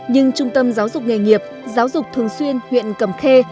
nhưng trung tâm giáo dục nghề nghiệp giáo dục thường xuyên huyện cầm khê